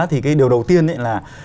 thì cái điều đầu tiên là